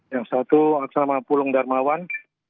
yang satu laksama pulung darmawan